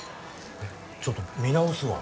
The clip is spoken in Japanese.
いやちょっと見直すわ。